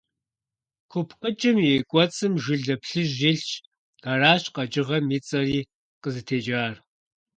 КупкъыкӀым и кӀуэцӀым жылэ плъыжь илъщ, аращ къэкӀыгъэм и цӀэри къызытекӀар.